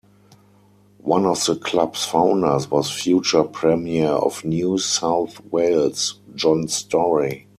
One of the club's founders was future Premier of New South Wales, John Storey.